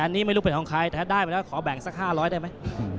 อันนี้ไม่รู้เป็นของใครแต่ถ้าได้มาแล้วขอแบ่งสัก๕๐๐ได้ไหม